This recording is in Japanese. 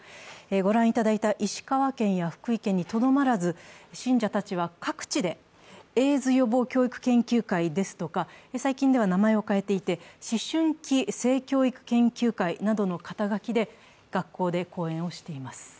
ご覧いただいた石川県や福井県にとどまらず信者たちは各地でエイズ予防教育研究会ですとか、最近では名前を変えていて思春期性教育研究会などとの肩書で学校で講演をしています。